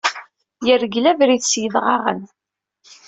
Yergel abrid s yidɣaɣen.